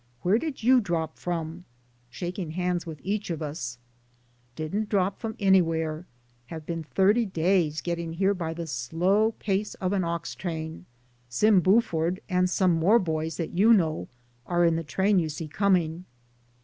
Where did you drop from?" shaking hands with each of us. "Didn't drop from anywhere; have been DAYS ON THE ROAD. 71 thirty days getting here by the slow pace of an ox train. Sim Buford and some more boys that you know are with the train you see coming."